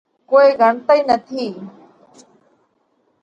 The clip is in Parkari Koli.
ڪوئي ڳڻتئِي نٿِي۔